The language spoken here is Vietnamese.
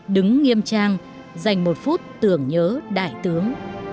đứng nghiêm trang dành một phút tưởng nhớ đại tướng